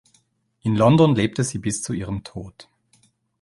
In London lebte sie bis zu ihrem Tod.